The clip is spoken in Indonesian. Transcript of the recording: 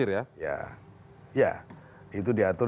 ya itu diatur